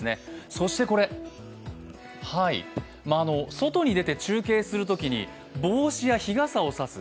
そしてこれ、外に出て中継するときに帽子や日傘を差す。